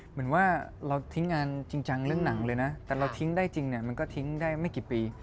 เหมือนว่าเราทิ้งงานจริงจังเรื่องหนังเลยนะแต่เราทิ้งได้จริงเนี่ยมันก็ทิ้งได้ไม่กี่ปี